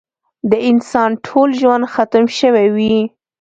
د انسان ټول ژوند ختم شوی وي.